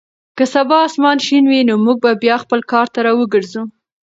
که سبا اسمان شین وي نو موږ به بیا خپل کار ته راوګرځو.